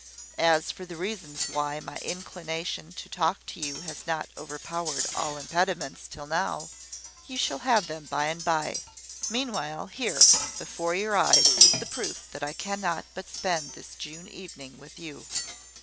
As for the reasons why my inclination to talk to you has not overpowered all impediments till now, you shall have them by and by. Meanwhile, here, before your eyes, is the proof that I cannot but spend this June evening with you.